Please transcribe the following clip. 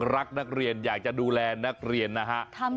รักนักเรียนอยากจะดูแลนักเรียนนะฮะ